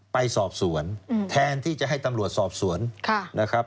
ไปสอบสวนแทนที่จะให้ตำรวจสอบสวนนะครับ